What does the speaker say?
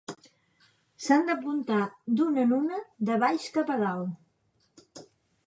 S'han d'apuntar d'una en una de baix cap a dalt.